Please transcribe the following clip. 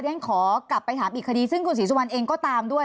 ฉันขอกลับไปถามอีกคดีซึ่งคุณศรีสุวรรณเองก็ตามด้วย